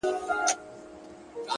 o ستا د خولې سلام مي د زړه ور مات كړ؛